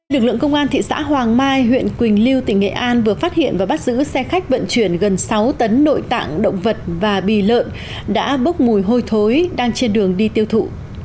lực lượng công an thị xã hoàng mai huyện quỳnh lưu tỉnh nghệ an vừa phát hiện và bắt giữ xe khách vận chuyển gần sáu tấn nội tạng động vật và bì lợn đã bốc mùi hôi thối đang trên đường đi tiêu thụ